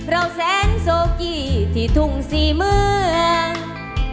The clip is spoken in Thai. เราแสนโซกี้ที่ทุ่งสี่เมือง